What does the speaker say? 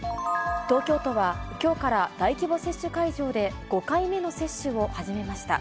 東京都はきょうから大規模接種会場で５回目の接種を始めました。